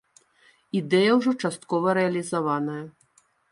Ідэя ўжо часткова рэалізаваная.